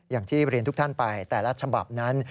อย่างที่เรียนทุกท่านไปแต่ละฉบับนั้น